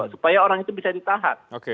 supaya orang itu bisa ditahan